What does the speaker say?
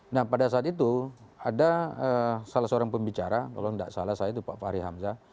nah pada saat itu ada salah seorang pembicara kalau tidak salah saya itu pak fahri hamzah